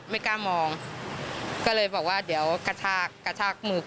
เธอขนลุกเลยนะคะเสียงอะไรอีกเสียงอะไรบางอย่างกับเธอแน่นอนค่ะ